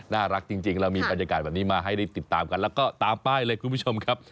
น่ารักจริงเรามีบรรยากาศแบบนี้มาให้ได้ติดตามกันแล้วก็ตามป้ายเลยคุณผู้ชมครับ